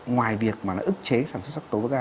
ngoài việc mà nó ức chế sản xuất sắc tố ra